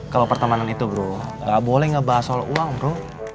kalau pertemanan itu bro gak boleh ngebahas soal uang bro